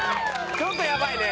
ちょっとやばいね。